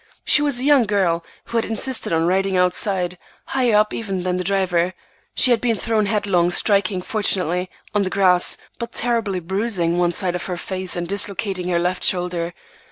She was a young girl, who had insisted on riding outside, higher up even than the driver. She had been thrown headlong, striking, fortunately, on the grass, but terribly bruising one side of her face and dislocating her left shoulder.